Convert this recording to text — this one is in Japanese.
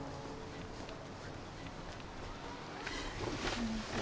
こんにちは。